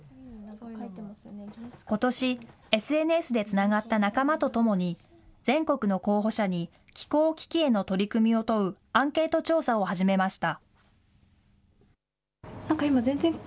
ことし、ＳＮＳでつながった仲間と共に、全国の候補者に気候危機への取り組みを問うアンケート調査を始めました。